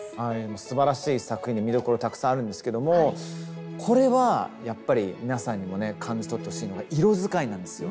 すばらしい作品で見どころたくさんあるんですけどもこれはやっぱり皆さんにも感じ取ってほしいのが色使いなんですよ。